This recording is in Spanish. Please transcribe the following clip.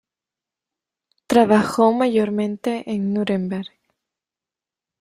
Trabajó mayormente en Núremberg.